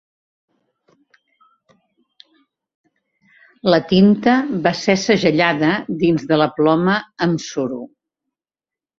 La tinta va ser segellada dins de la ploma amb suro.